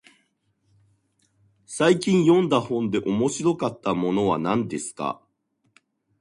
最近読んだ本で面白かったものは何ですか。